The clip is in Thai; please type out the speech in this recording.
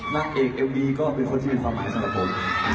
นางเอกเอลบีก็เป็นคนที่มีความหมายกับผม